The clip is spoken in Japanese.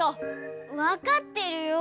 わかってるよ。